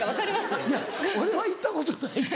いや俺は言ったことないで。